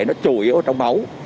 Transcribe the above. nó chủ yếu trong máu